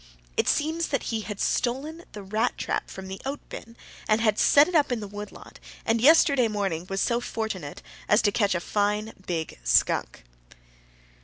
It seems that he had stolen the rat trap from the oat bin, and had set it up in the wood lot, and yesterday morning was so fortunate as to catch a fine big skunk.